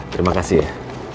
terima kasih ya